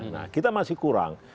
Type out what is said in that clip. nah kita masih kurang